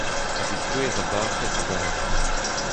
Hag e kouezh abafet adarre.